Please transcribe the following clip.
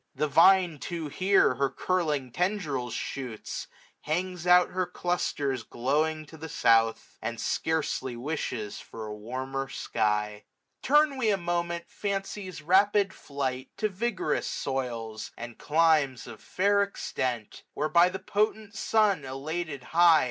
The vine too here her curling tendrils shoots ; Hangs out her clusters, glowing to the south j AUTUMN. 147 And scarcely wishes for a warmer sky. 680 Turn we a moment Fancy's rapid flight To vigorous soils, and climes of fair extent j Where, by the potent sun elated high.